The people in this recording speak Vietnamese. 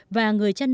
và người chăn nuôi